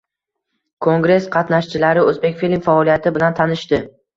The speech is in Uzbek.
Kongress qatnashchilari “O‘zbekfilm” faoliyati bilan tanishdi